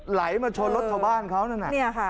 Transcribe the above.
ไหลมาชนรถท้อบ้านเขานั่น